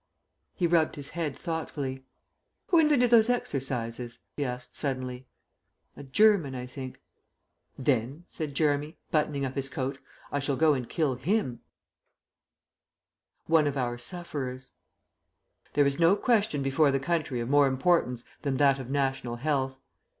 He rubbed his head thoughtfully. "Who invented those exercises?" he asked suddenly. "A German, I think." "Then," said Jeremy, buttoning up his coat, "I shall go and kill him." ONE OF OUR SUFFERERS There is no question before the country of more importance than that of National Health.